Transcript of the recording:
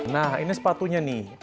nah ini sepatunya nih